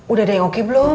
udah ada yang oke belum